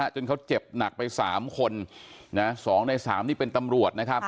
จนเขาเจ็บหนักไป๓คน๒ใน๓นี่เป็นตำรวจนะครับ